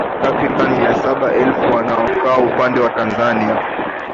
Takriban mia saba elfu wanaokaa upande wa Tanzania